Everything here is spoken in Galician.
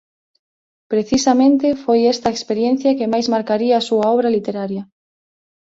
Precisamente foi esta a experiencia que máis marcaría a súa obra literaria.